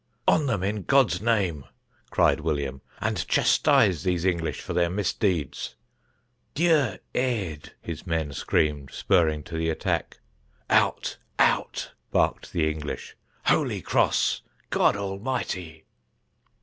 "On them in God's name," cried William, "and chastise these English for their misdeeds." "Dieu aidé," his men screamed, spurring to the attack. "Out, Out!" barked the English, "Holy Cross! God Almighty!"